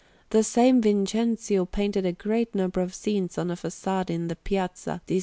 The same Vincenzio painted a great number of scenes on a façade in the Piazza di S.